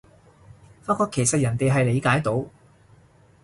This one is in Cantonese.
發覺其實人哋係理解到